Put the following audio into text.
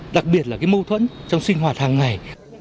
đặc biệt là cái mâu thuẫn trong sinh hoạt hàng ngày